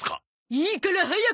いいから早く。